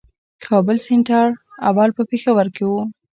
کابل سېنټر اول په پېښور کښي وو.